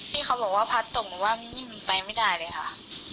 ที่เขาบอกว่าพัดตกหนูว่ายิ่งมันไปไม่ได้เลยค่ะ